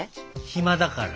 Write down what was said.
暇だから。